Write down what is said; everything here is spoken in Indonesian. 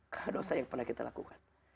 karena dosa yang pernah kita lakukan